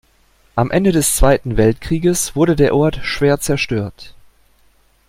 Am Ende des Zweiten Weltkrieges wurde der Ort schwer zerstört.